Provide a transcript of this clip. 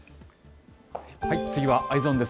次はＥｙｅｓｏｎです。